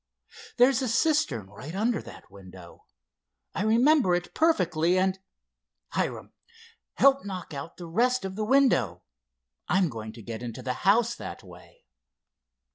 There's a cistern right under that window. I remember it perfectly and—Hiram, help knock out the rest of the window. I'm going to get into the house that way."